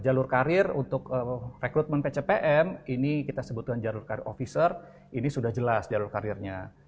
jalur karir untuk rekrutmen pcpm ini kita sebutkan jalur karir officer ini sudah jelas jalur karirnya